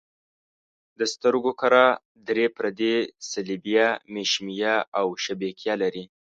د سترګو کره درې پردې صلبیه، مشیمیه او شبکیه لري.